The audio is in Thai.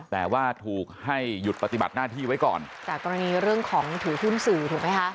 แต่ว่าถูกให้หยุดปฏิบัติหน้าที่ไว้ก่อนจากกรณีเรื่องของถือหุ้นสื่อถูกไหมคะ